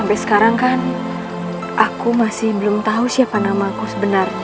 mulai sekarang kamu bisa memanggilku dengan sebutan